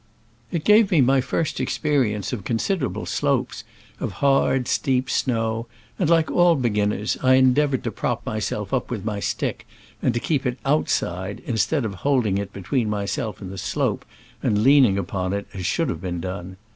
It gave me my first experience of con siderable slopes of hard, steep snow, and, like all beginners, I endeavored to prop myself up with my stick, and kept it outside, instead of holding it between myself and the slope, and leaning upon it, as should have been done.